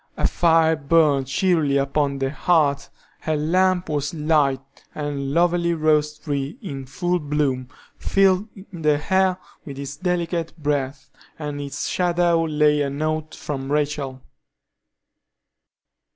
A fire burned cheerily upon the hearth, her lamp was lighted, a lovely rose tree, in full bloom, filled the air with its delicate breath, and in its shadow lay a note from Rachel.